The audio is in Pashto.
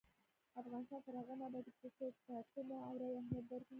افغانستان تر هغو نه ابادیږي، ترڅو د ټاکنو او رایې اهمیت درک نشي.